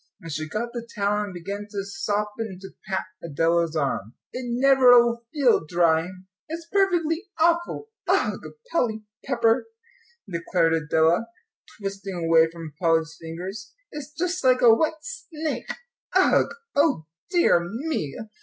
And she got the towel and began to sop and to pat Adela's arm. "It never'll feel dry, it's perfectly awful ugh Polly Pepper," declared Adela, twisting away from Polly's fingers; "it's just like a wet snake ugh O dear me!